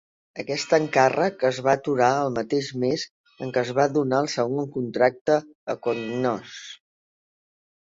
Aquest encàrrec es va aturar el mateix mes en què es va donar el segon contracte a Cognos.